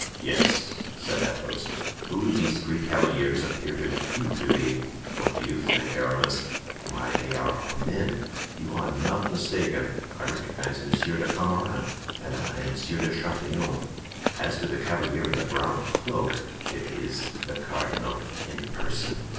"Yes," said Athos. "Who do these three cavaliers appear to you to be?" "What do you think, Aramis?" "Why, they are our men." "You are not mistaken; I recognize Monsieur de Flamarens." "And I, Monsieur de Chatillon." "As to the cavalier in the brown cloak——" "It is the cardinal." "In person."